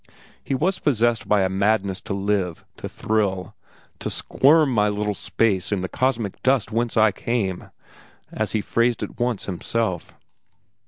He was possessed by a madness to live, to thrill, "to squirm my little space in the cosmic dust whence I came," as he phrased it once himself.